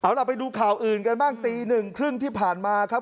เอาล่ะไปดูข่าวอื่นกันบ้างตีหนึ่งครึ่งที่ผ่านมาครับ